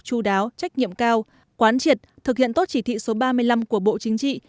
chú đáo trách nhiệm cao quán triệt thực hiện tốt chỉ thị số ba mươi năm của bộ chính trị